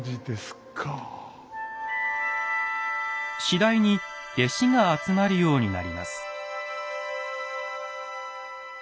次第に弟子が集まるようになります。